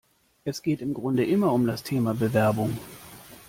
Es geht im Grunde immer um das Thema Bewerbung.